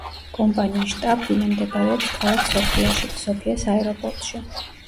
კომპანიის შტაბ-ბინა მდებარეობს ქალაქ სოფიაში, სოფიას აეროპორტში.